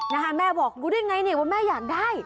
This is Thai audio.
แม่บอกรู้ได้ไงเนี่ยว่าแม่อยากได้